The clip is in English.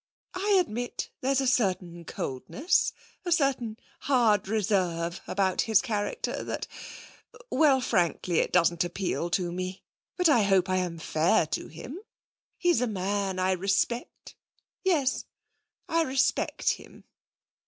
I admit there's a certain coldness, a certain hard reserve about his character that Well, frankly, it doesn't appeal to me. But I hope I am fair to him. He's a man I respect.... Yes, I respect him.'